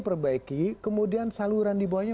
perbaiki kemudian saluran di bawahnya